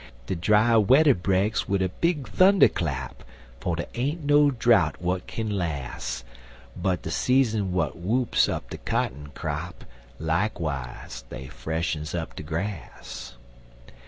De dry wedder breaks wid a big thunder clap, For dey ain't no drout' w'at kin las', But de seasons w'at whoops up de cotton crap, Likewise dey freshens up de grass.